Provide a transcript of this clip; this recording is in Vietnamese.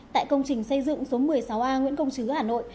tại công trình xây dựng số một mươi sáu a nguyễn công chứ hà nội